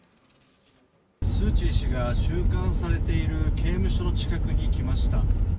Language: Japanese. スー・チー氏が収監されている刑務所の近くに来ました。